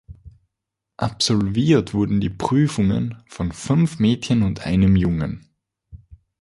Absolviert wurden die Prüfungen von fünf Mädchen und einem Jungen.